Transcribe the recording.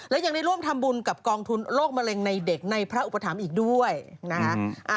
และยังได้ร่วมทำบุญกับกองทุนโรคมะเร็งในเด็กในพระอุปถัมภ์อีกด้วยนะคะ